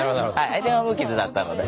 相手も無傷だったので。